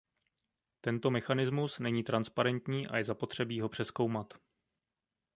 Tento mechanismus není transparentní a je zapotřebí ho přezkoumat.